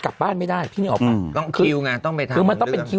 คนไทยไม่ได้ต้องไปคิวไง